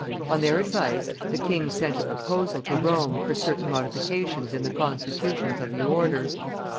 On their advice, the king sent a proposal to Rome for certain modifications in the constitutions of the order.